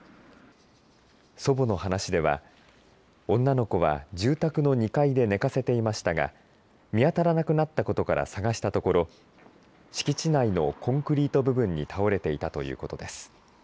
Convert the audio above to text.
祖母の話では女の子は住宅の２階で寝かせていましたが見当たらなくなったことから捜したところ敷地内のコンクリート部分に倒れていたということです。